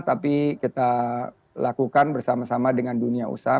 tapi kita lakukan bersama sama dengan dunia usaha